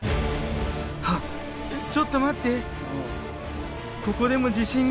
はっちょっと待って。